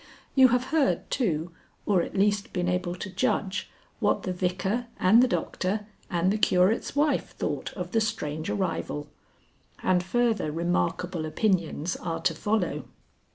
You have heard too, or at least been able to judge, what the Vicar and the Doctor and the Curate's wife thought of the strange arrival. And further remarkable opinions are to follow.